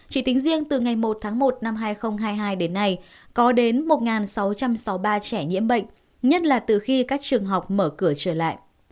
chỉ tính riêng từ ngày một tháng một năm hai nghìn hai mươi hai đến nay có đến một sáu trăm sáu mươi ba trẻ nhiễm bệnh nhất là từ khi các trường học mở cửa trở lại